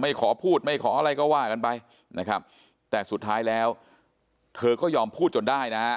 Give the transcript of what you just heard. ไม่ขอพูดไม่ขออะไรก็ว่ากันไปนะครับแต่สุดท้ายแล้วเธอก็ยอมพูดจนได้นะฮะ